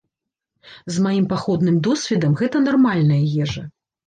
З маім паходным досведам гэта нармальная ежа.